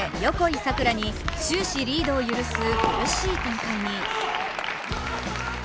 桜に終始リードを許す苦しい展開に。